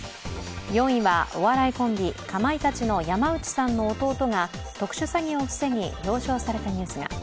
４位はお笑いコンビ、かまいたちの山内さんの弟が特殊詐欺を防ぎ、表彰されたニュースが。